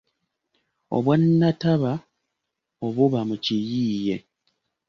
Obwannataba obuba mu kiyiiye.